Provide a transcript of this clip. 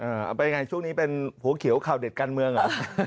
เอาไปยังไงช่วงนี้เป็นหัวเขียวข่าวเด็ดการเมืองเหรอ